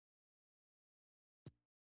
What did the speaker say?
غوږونه د ښو اخلاقو غږ پېژني